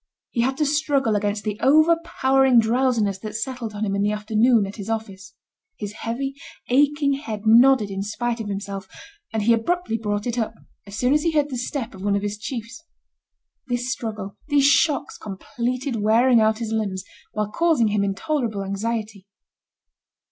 He had to struggle against the overpowering drowsiness that settled on him in the afternoon at his office. His heavy, aching head nodded in spite of himself, but he abruptly brought it up, as soon as he heard the step of one of his chiefs. This struggle, these shocks completed wearing out his limbs, while causing him intolerable anxiety.